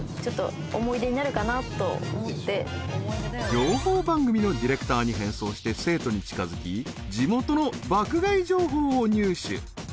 ［情報番組のディレクターに変装して生徒に近づき地元の爆買い情報を入手］